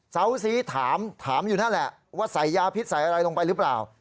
เสาซีถามถามอยู่นั่นแหละว่าใส่ยาพิษใส่อะไรลงไปหรือเปล่า